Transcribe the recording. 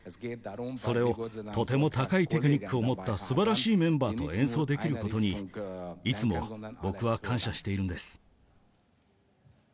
それをとても高いテクニックを持った素晴らしいメンバーと演奏できる事にいつも僕は感謝しているんです。